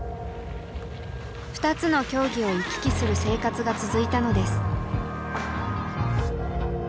２つの競技を行き来する生活が続いたのです。